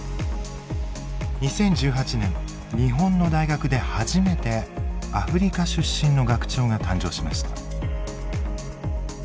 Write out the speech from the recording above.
２０１８年日本の大学で初めてアフリカ出身の学長が誕生しました。